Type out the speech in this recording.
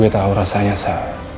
gue tahu rasanya sa